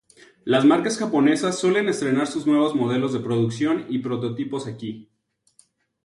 Las marcas japonesas suelen estrenar sus nuevos modelos de producción y prototipos aquí.